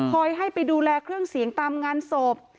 ให้ไปดูแลเครื่องเสียงตามงานศพ